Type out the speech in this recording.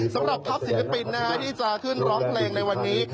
สำหรับทัพศิลปินที่จะขึ้นร้องเพลงในวันนี้